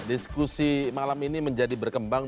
diskusi malam ini menjadi berkembang